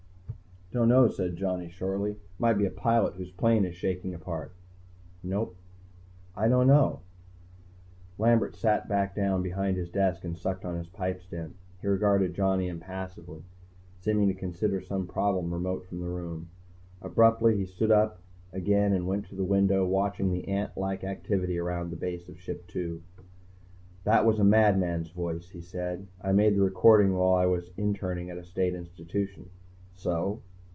"Don't know," said Johnny shortly. "Might be a pilot whose plane is shaking apart." "No." "I don't know." Lambert sat back down behind his desk and sucked on his pipestem. He regarded Johnny impassively, seeming to consider some problem remote from the room. Abruptly, he stood again and went to the window, watching the ant like activity around the base of Ship II. "That was a madman's voice," he said. "I made the recording while I was interning at a state institution." "So?"